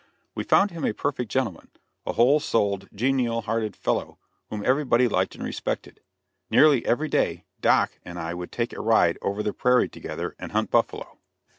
We found him a perfect gentleman a whole souled, genial hearted fellow, whom everybody liked and respected. Nearly every day, "Doc." and I would take a ride over the prairie together and hunt buffalo.